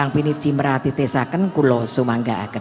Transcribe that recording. dua lima pilih cimrati tesaken kulo sumangga akan